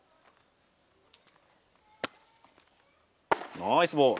ナイスボール。